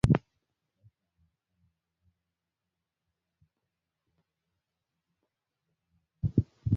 Rais wa Marekani, Joe Biden, Jumatano ametangaza Marekani inaongeza uwepo wake wa kijeshi barani Ulaya